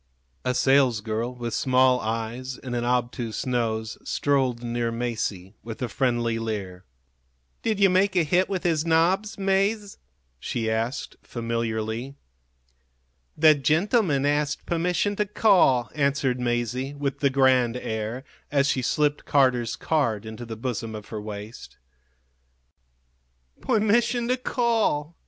A salesgirl, with small eyes and an obtuse nose, strolled near Masie, with a friendly leer. "Did you make a hit with his nobs, Mase?" she asked, familiarly. "The gentleman asked permission to call," answered Masie, with the grand air, as she slipped Carter's card into the bosom of her waist. "Permission to call!"